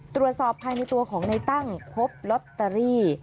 ตรวจสอบภายในตัวของในตั้งพบลอตเตอรี่